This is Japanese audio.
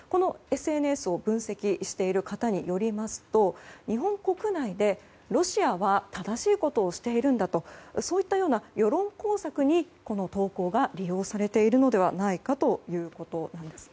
このＳＮＳを分析している方によりますと日本国内でロシアは正しいことをしているんだとそういった世論工作にこの投稿が利用されているのではないかということなんです。